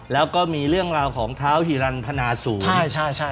แล้วก็มีเรื่องราวของท้าวฮิรัณพนาศูนย์